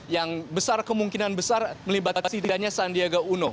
yang besar kemungkinan besar melibatkan sidikannya sandiago uno